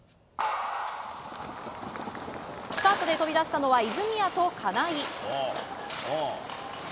スタートで飛び出したのは泉谷と金井。